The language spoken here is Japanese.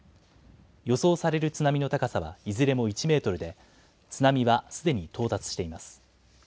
予想される津波の高さはいずれも１メートルで津波はすでに到達しています。